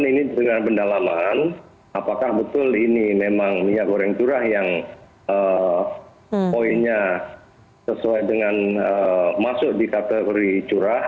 ini dengan pendalaman apakah betul ini memang minyak goreng curah yang poinnya sesuai dengan masuk di kategori curah